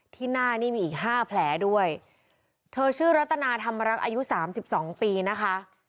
ที่หน้านี่มีอีก๕แผลด้วยเธอชื่อรัตนาธรรมรักอายุ๓๒ปีนะคะ